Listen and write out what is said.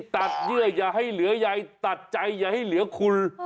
เยื่ออย่าให้เหลือยายตัดใจอย่าให้เหลือคุณ